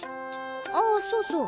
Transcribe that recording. あそうそう。